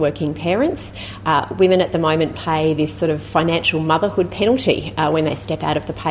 perempuan sekarang meminta penurunan kekayaan kekayaan finansial ketika mereka melanggar dari kesejangan yang diperlukan